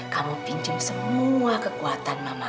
kamu pinjem semua kekuatan mama